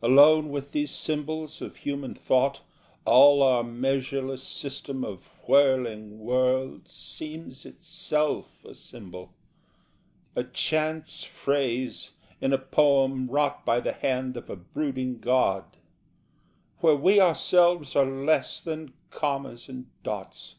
Alone with these symbols of human thought, All our measureless system of whirling worlds Seems itself a symbol, a chance phrase In a poem wrought by the hand of a brooding god, Where we ourselves are less than commas and dots.